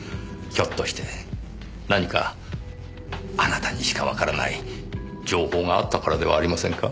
ひょっとして何かあなたにしかわからない情報があったからではありませんか？